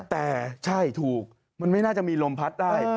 แต่ใช่ถูกมันไม่น่าจะมีลมพัดได้